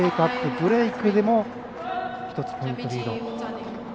ブレークでも１つポイントリード。